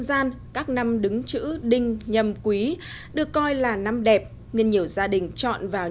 xin chào các bạn